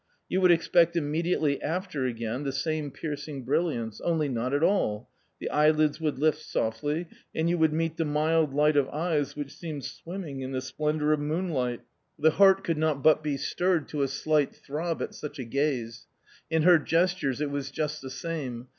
You would expect immediately after again the same piercing brillance — not at all ! the eyelids would lift softly, and you would meet the mild light of eyes which seemed swimming in the splendour of moonlight. The heart could not but be stirred to a slight throb at such a gaze. In her gestures it was just the same.